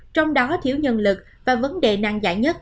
trong đó thiếu nhân lực và vấn đề năng giải